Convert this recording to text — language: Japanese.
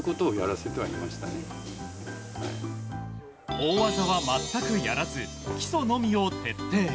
大技は全くやらず基礎のみを徹底。